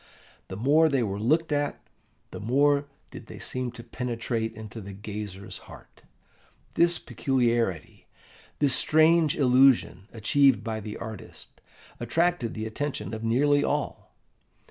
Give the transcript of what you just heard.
The more they were looked at, the more did they seem to penetrate into the gazer's heart. This peculiarity, this strange illusion achieved by the artist, attracted the attention of nearly all.